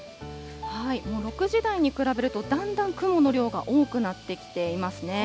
６時台に比べるとだんだん雲の量が多くなってきていますね。